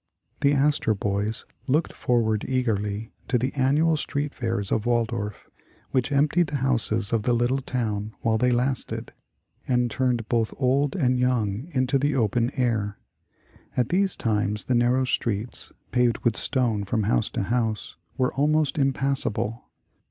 The Astor boys looked forward eagerly to the annual street fairs of Waldorf, which emptied the houses of the little town while they lasted, and turned both old and young into the open air. At these times the nar row streets, paved with stone from house to house, were almost impassable.